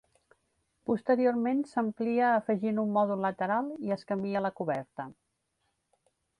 Posteriorment s'amplia afegint un mòdul lateral i es canvia la coberta.